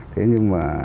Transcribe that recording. thế nhưng mà